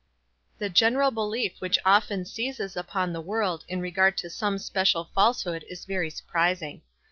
The general belief which often seizes upon the world in regard to some special falsehood is very surprising.